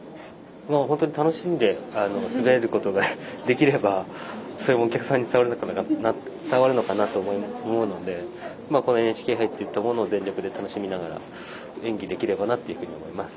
本当に楽しんで滑れることができればそれもお客さんに伝わるのかなと思うのでこのＮＨＫ杯というものを全力で楽しみながら演技できればなと思います。